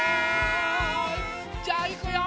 じゃあいくよ！